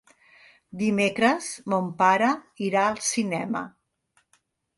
Dimecres mon pare irà al cinema.